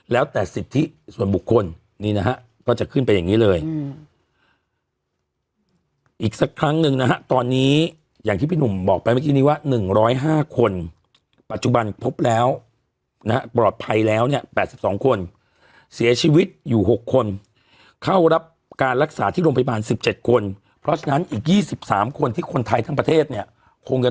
แล้วแต่สิทธิส่วนบุคคลนี่นะฮะก็จะขึ้นไปอย่างนี้เลยอีกสักครั้งหนึ่งนะฮะตอนนี้อย่างที่พี่หนุ่มบอกไปเมื่อกี้นี้ว่า๑๐๕คนปัจจุบันพบแล้วนะฮะปลอดภัยแล้วเนี่ย๘๒คนเสียชีวิตอยู่๖คนเข้ารับการรักษาที่โรงพยาบาล๑๗คนเพราะฉะนั้นอีก๒๓คนที่คนไทยทั้งประเทศเนี่ยคงจะ